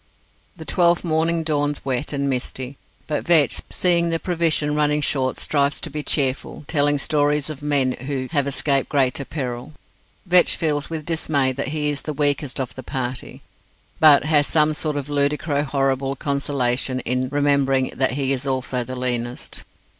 The twelfth morning dawns wet and misty, but Vetch, seeing the provision running short, strives to be cheerful, telling stories of men who have escaped greater peril. Vetch feels with dismay that he is the weakest of the party, but has some sort of ludicro horrible consolation in remembering that he is also the leanest.